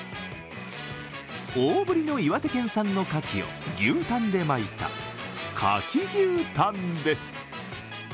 大ぶりの岩手県産のかきを牛タンで巻いた、かき牛タンです。